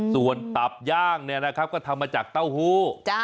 ส่วนตับย่างก็ทำมาจากเต้าหู้